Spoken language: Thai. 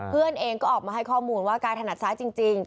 เพื่อนเองก็ออกมาให้ข้อมูลว่ากายถนัดซ้ายจริง